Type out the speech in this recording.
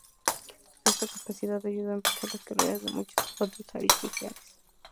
En esta capacidad, ayudó a impulsar las carreras de muchos otros oficiales.